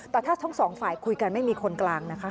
แต่ถ้าทั้งสองฝ่ายคุยกันไม่มีคนกลางนะคะ